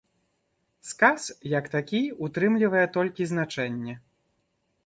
Сказ, як такі ўтрымлівае толькі значэнне.